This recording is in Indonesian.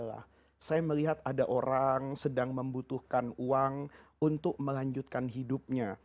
saya melihat ada orang sedang membutuhkan uang untuk melanjutkan hidupnya